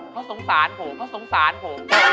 เขาสงสารผมเขาสงสารผม